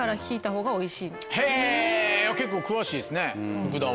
へぇ結構詳しいですね福田は。